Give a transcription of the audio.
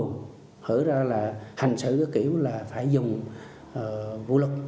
thở ra là hành xử kiểu là phải dùng vũ lực